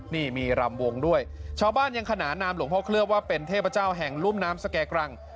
นี่มีรำวงด้วยชาวบ้านยังขนานนามหลวงพ่อเคลือบว่าเป็นเทพเจ้าแห่งรุ่มน้ำสแก่กรัง